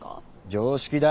常識だ。